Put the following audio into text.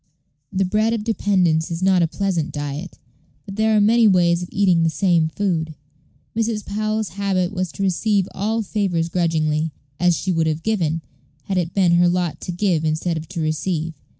The bread of dependence is not a pleasant diet, but there are many ways of eating the same food. Mrs. Powell's habit was to receive all favors grudgingly, as she would have given, had it been her lot to give instead of to receive.